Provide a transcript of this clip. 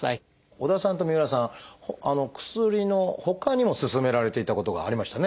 織田さんと三浦さん薬のほかにも勧められていたことがありましたね。